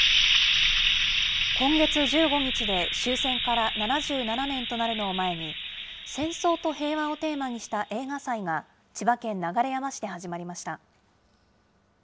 今月１５日で終戦から７７年となるのを前に、戦争と平和をテーマにした映画祭が、千葉県流山市で始まりました。